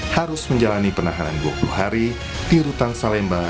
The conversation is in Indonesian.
harus menjalani penahanan dua puluh hari di rutan salemba